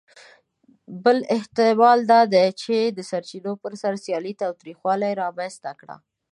بل احتمال دا دی، چې د سرچینو پر سر سیالي تاوتریخوالي رامنځ ته کړه.